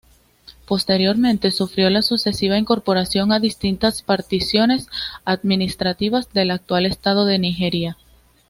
Posteriormente sufrió la sucesiva incorporación a distintas particiones administrativas del actual estado de Nigeria.